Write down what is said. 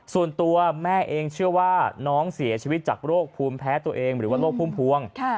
ส่วนตัวแม่เองเชื่อว่าน้องเสียชีวิตจากโรคภูมิแพ้ตัวเองหรือว่าโรคพุ่มพวง